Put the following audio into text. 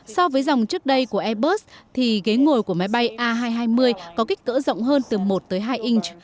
so với dòng trước đây của airbus thì ghế ngồi của máy bay a hai trăm hai mươi có kích cỡ rộng hơn từ một tới hai inch